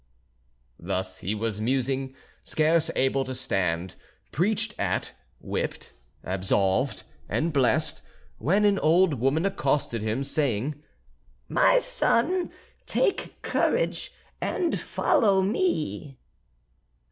Thus he was musing, scarce able to stand, preached at, whipped, absolved, and blessed, when an old woman accosted him saying: "My son, take courage and follow me."